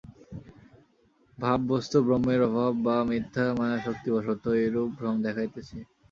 ভাব-বস্তু ব্রহ্মের অভাব বা মিথ্যা মায়াশক্তিবশত এইরূপ ভ্রম দেখাইতেছে।